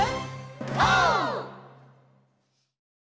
オー！